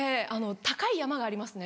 高い山がありますね